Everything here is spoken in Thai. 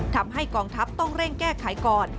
ทำให้กองทัพต้องเร่งแก้ไขก่อน